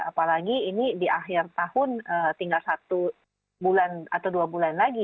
apalagi ini di akhir tahun tinggal satu bulan atau dua bulan lagi